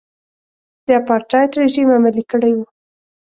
د اپارټایډ رژیم عملي کړی و.